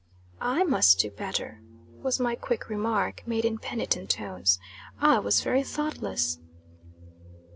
"I must do better," was my quick remark, made in penitent tones. "I was very thoughtless."